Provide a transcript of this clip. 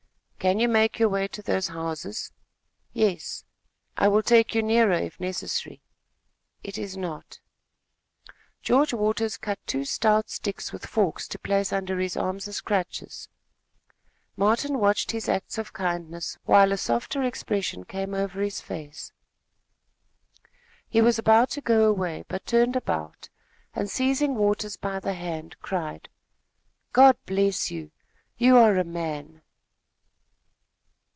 "Can you make your way to those houses?" "Yes." "I will take you nearer, if necessary." "It is not." George Waters cut two stout sticks with forks to place under his arms as crutches. Martin watched his acts of kindness, while a softer expression came over his face. He was about to go away, but turned about and, seizing Waters by the hand, cried: "God bless you! You are a man!"